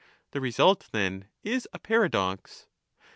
The |result then is a paradox.